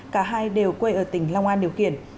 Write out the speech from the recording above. cả hai đều quê ở tỉnh long an điều khiển